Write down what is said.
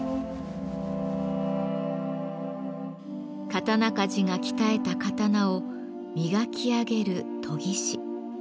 刀鍛冶が鍛えた刀を磨き上げる研ぎ師。